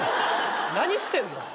何してんの？